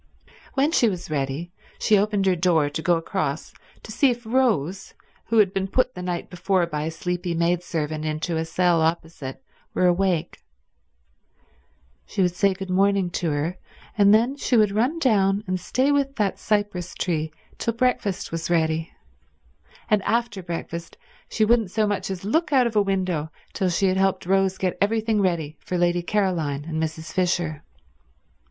When she was ready she opened her door to go across to see if Rose, who had been put the night before by a sleepy maidservant into a cell opposite, were awake. She would say good morning to her, and then she would run down and stay with that cypress tree till breakfast was ready, and after breakfast she wouldn't so much as look out of a window till she had helped Rose get everything ready for Lady Caroline and Mrs. Fisher.